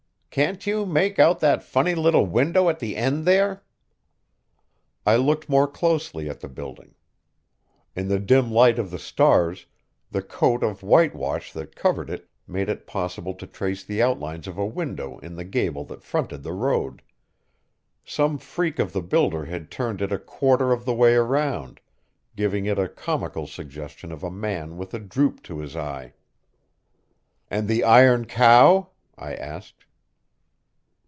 "Can't you make out that funny little window at the end there?" I looked more closely at the building. In the dim light of the stars, the coat of whitewash that covered it made it possible to trace the outlines of a window in the gable that fronted the road. Some freak of the builder had turned it a quarter of the way around, giving it a comical suggestion of a man with a droop to his eye. "And the iron cow?" I asked.